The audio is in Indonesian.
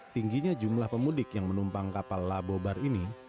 tingginya jumlah pemudik yang menumpang kapal labobar ini